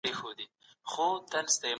ايا سوله له شخړو څخه غوره ده؟